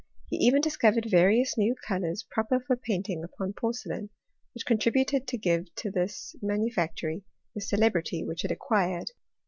He even discovered various new colours proper for paint ing upon porcelain ; which contributed to give to this manufactory the celebrity which it acquired.